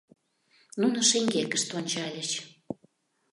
Нуно шеҥгекышт ончальыч.